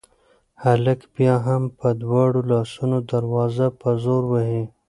هلک بیا هم په دواړو لاسونو دروازه په زور وهي.